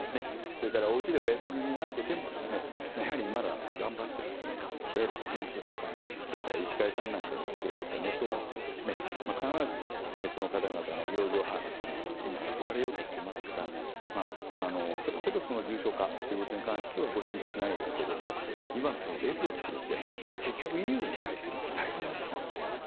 それからおうちでお休みになっていても今はまだ頑張っていますのでいわゆる保険証とか、それから医師会さんなんかが作られたネットワークで必ず、その方々の病状把握は取られようとしていますからそれほど重症化ということに関してはご心配ないですが今の、列を作るというのは結局、医療に対する期待度が違うんです。